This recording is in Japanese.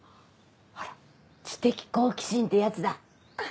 あら知的好奇心ってやつだ。